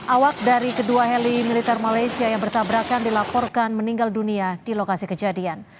awak dari kedua heli militer malaysia yang bertabrakan dilaporkan meninggal dunia di lokasi kejadian